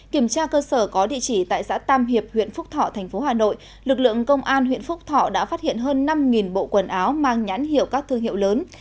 kiểm tra cơ sở có địa chỉ tại xã tam hiệp huyện phúc thọ thành phố hà nội lực lượng công an huyện phúc thọ đã phát hiện hơn năm bộ quần áo mang nhãn hiệu các thương hiệu lớn